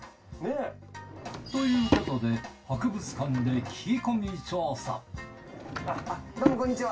ということで博物館で聞き込み調査どうもこんにちは。